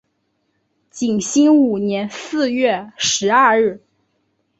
景兴五年四月十二日。